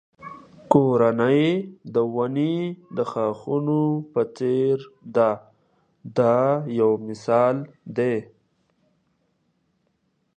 کورنۍ د ونې د ښاخونو په څېر ده دا یو مثال دی.